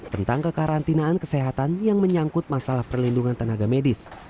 tentang kekarantinaan kesehatan yang menyangkut masalah perlindungan tenaga medis